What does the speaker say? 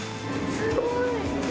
すごい。